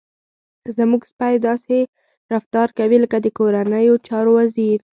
زموږ سپی داسې رفتار کوي لکه د کورنیو چارو وزير.